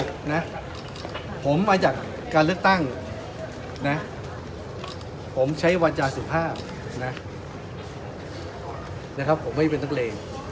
ผมมาจากการเลือกตั้งผมใช้วัญญาสุภาพผมไม่เป็นนักเลง